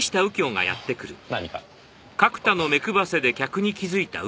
何か？